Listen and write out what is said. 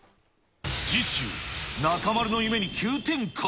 次週、中丸の夢に急展開？